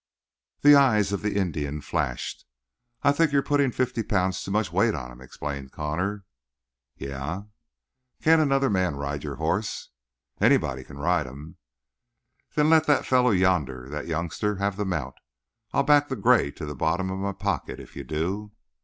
The eyes of the Indian flashed. "I think you're putting fifty pounds too much weight on him," explained Connor. "Yeh?" "Can't another man ride your horse?" "Anybody can ride him." "Then let that fellow yonder that youngster have the mount. I'll back the gray to the bottom of my pocket if you do."